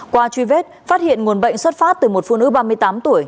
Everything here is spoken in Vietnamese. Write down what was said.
qua truy vết phát hiện nguồn bệnh xuất phát từ một phụ nữ ba mươi tám tuổi